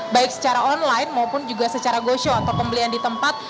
baik secara online maupun juga secara go show atau pembelian di tempat